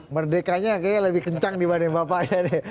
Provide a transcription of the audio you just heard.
merdekanya kayaknya lebih kencang dibanding bapaknya nih